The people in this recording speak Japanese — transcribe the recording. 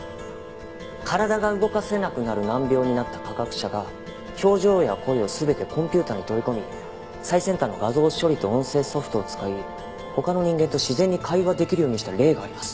体が動かせなくなる難病になった科学者が表情や声を全てコンピューターに取り込み最先端の画像処理と音声ソフトを使い他の人間と自然に会話できるようにした例があります。